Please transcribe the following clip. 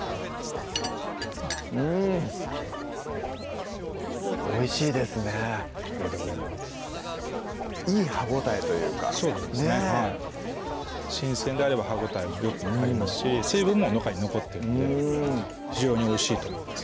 うんおいしいですねありがとうございますいい歯応えというかそうですね新鮮であれば歯応えもよく分かりますし水分も中に残ってるので非常においしいと思います